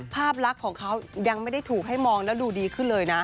ภาพลักษณ์ของเขายังไม่ได้ถูกให้มองแล้วดูดีขึ้นเลยนะ